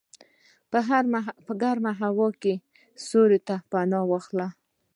په ګرمه هوا کې سیوري ته پناه واخله.